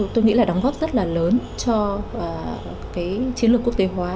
tôi nghĩ đóng góp rất là lớn cho chiến lược quốc tế hóa